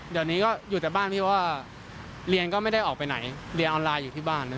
เดี๋ยวนี้ก็อยู่แต่บ้านพี่เพราะว่าเรียนก็ไม่ได้ออกไปไหนเรียนออนไลน์อยู่ที่บ้าน